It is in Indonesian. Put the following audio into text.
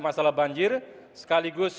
masalah banjir sekaligus